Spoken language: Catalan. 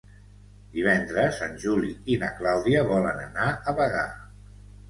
Divendres en Juli i na Clàudia volen anar a Bagà.